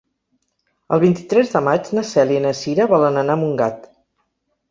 El vint-i-tres de maig na Cèlia i na Cira volen anar a Montgat.